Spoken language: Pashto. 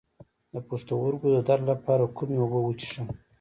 د پښتورګو د درد لپاره کومې اوبه وڅښم؟